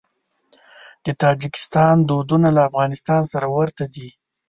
د تاجکستان دودونه له افغانستان سره ورته دي.